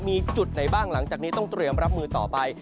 มีจุดไหนบ้างหลังจากนี้ต้องเตรียมรับมือต่อไป